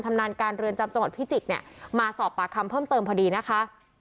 นานการเรือนจำจังหวัดพิจิตรเนี่ยมาสอบปากคำเพิ่มเติมพอดีนะคะ